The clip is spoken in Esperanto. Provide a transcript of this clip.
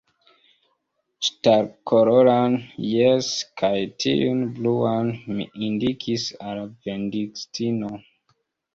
Ŝtalkoloran, jes, kaj tiun bluan, – mi indikis al la vendistino.